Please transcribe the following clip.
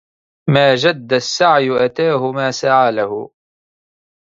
ما جد السعي أتاه ما سعى له